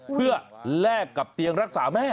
เพื่อแลกกับเตียงรักษาแม่